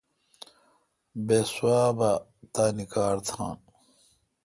بہ سوا بہ تانی کار تھان